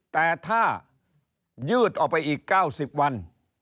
แต่ถ้ายืดออกไปอีก๙๐วัน